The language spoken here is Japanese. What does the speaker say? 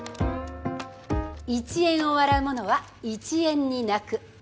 「１円を笑うものは１円に泣く」